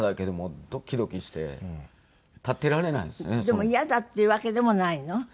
でも嫌だっていうわけでもないの？